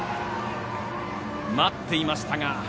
待っていましたが。